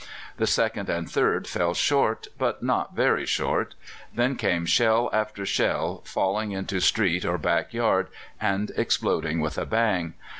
The second and third fell short, but not very short. Then came shell after shell, falling into street or backyard, and exploding with a bang.